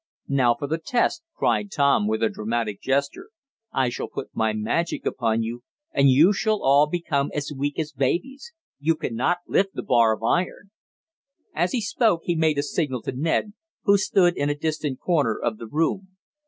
"Now for the test!" cried Tom with a dramatic gesture. "I shall put my magic upon you, and you shall all become as weak as babies. You cannot lift the bar of iron!" As he spoke he made a signal to Ned, who stood in a distant corner of the room.